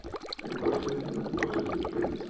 El puerto es el más importante del país.